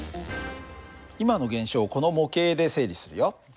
今の現象をこの模型で整理するよ。